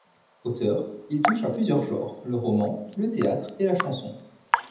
Auteur, il touche à plusieurs genres: le roman, le théâtre et la chanson.